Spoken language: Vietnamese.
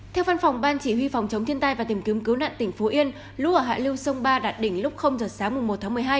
theo phân phòng ban chỉ huy phòng chống thiết tay và tìm kiếm cứu nạn tỉnh phú yên lũ ở hạ lưu sông ba đạt đỉnh lúc giờ sáng mùng một tháng một mươi hai